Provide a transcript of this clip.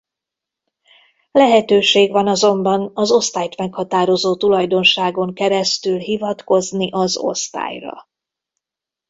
Lehetőség van azonban az osztályt meghatározó tulajdonságon keresztül hivatkozni az osztályra.